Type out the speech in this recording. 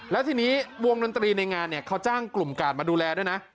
แล้วทีนี้วงดนตรีในงานเนี่ยเขาจ้างกลุ่มกาดมาดูแลด้วยนะ